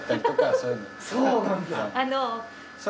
そうなんだ。